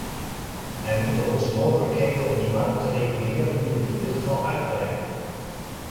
We moeten onze mogelijkheden om die markt te reguleren nu in ieder geval uitbreiden.